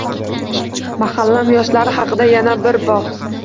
Mahallam yoshlari haqida yana bir bor